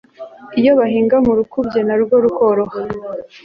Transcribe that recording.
iyo bahinga mu rukubye ,narwo rukoroha